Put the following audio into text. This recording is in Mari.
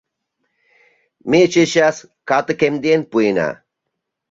Ме чечас катыкемден пуэна.